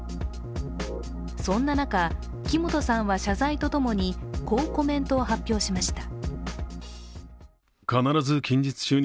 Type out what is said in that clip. そんな中、木本さんは謝罪とともにこうコメントを発表しました。